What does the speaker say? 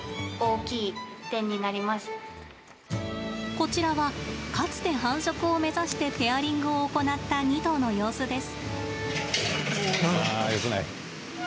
こちらは、かつて繁殖を目指してペアリングを行った２頭の様子です。